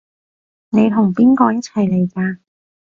你同邊個一齊嚟㗎？